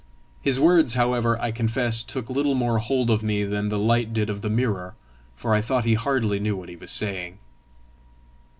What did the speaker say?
His words, however, I confess, took little more hold of me than the light did of the mirror, for I thought he hardly knew what he was saying.